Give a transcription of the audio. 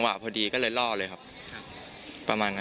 ใช่ครับผม